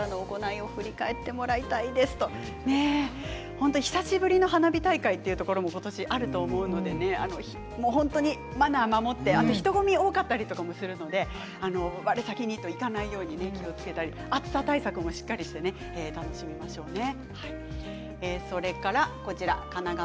本当に久しぶりの花火大会というところもあると思うので本当にマナーを守って人ごみ多かったりするのでわれ先にと行かないように気をつけてあと、暑さ対策もしっかりして楽しみましょうね。